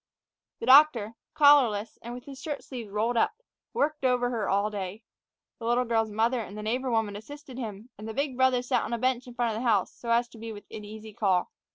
The doctor, collarless and with his shirt sleeves rolled up, worked over her all day. The little girl's mother and the neighbor woman assisted him, and the big brothers sat on the bench in front of the house, so as to be within easy call.